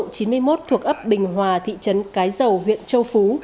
quốc lộ chín mươi một thuộc ấp bình hòa thị trấn cái dầu huyện châu phú